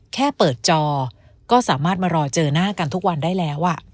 แค่เปิดจอก็สามารถมารอเจอหน้ากันทุกวันได้แล้ว